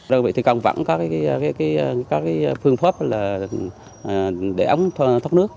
đội vị thi công vẫn có cái phương pháp là để ống thốt nước